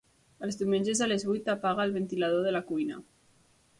Els diumenges a les vuit apaga el ventilador de la cuina.